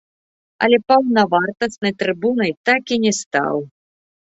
Але паўнавартаснай трыбунай так і не стаў.